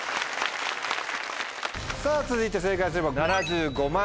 さぁ続いて正解すれば７５万円です。